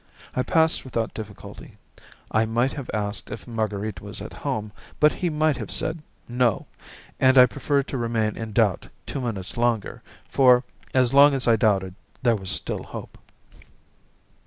I passed without difficulty. I might have asked if Marguerite was at home, but he might have said "No," and I preferred to remain in doubt two minutes longer, for, as long as I doubted, there was still hope.